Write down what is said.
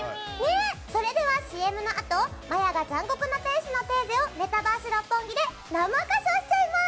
それではＣＭのあとまやが「残酷な天使のテーゼ」をメタバース六本木で生歌唱しちゃいます！